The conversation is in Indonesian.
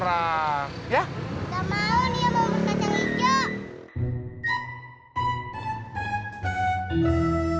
enggak mau nia mau bubur kacang hijau